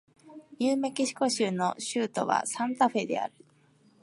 ニューメキシコ州の州都はサンタフェである